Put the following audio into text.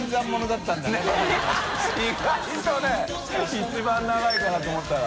一番長いかなと思ったら。